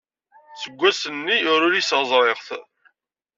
Seg wass-nni ur uliseɣ ẓriɣ-t.